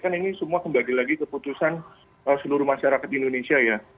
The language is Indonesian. kan ini semua kembali lagi keputusan seluruh masyarakat indonesia ya